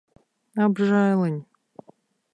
Apžēliņ.